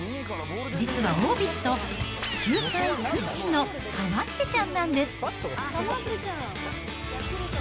実はオービット、球界屈指のかまってちゃんなんです。